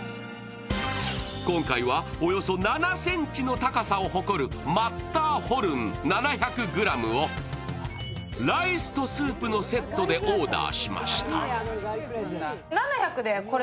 今回はおよそ７ｃｍの高さを誇るマッターホルン７００ｇをライスとスープのセットでオーダーしました。